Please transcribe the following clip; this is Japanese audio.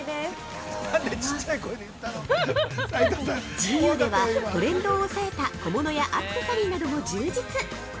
◆ＧＵでは、トレンドを押さえた小物やアクセサリーなども充実。